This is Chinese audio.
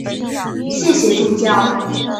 谢谢助教